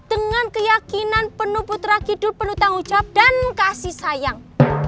dengan keyakinan penuh putra hidup penuh tanggung jawab dan kasih sayang